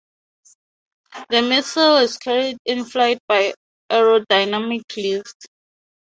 The missile is carried in flight by aerodynamic lift.